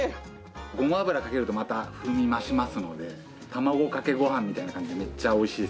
ごま油かけるとまた風味増しますので卵かけごはんみたいな感じでめっちゃ美味しいですよ。